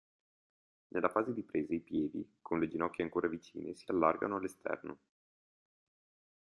Nella fase di presa i piedi, con le ginocchia ancora vicine, si allargano all'esterno.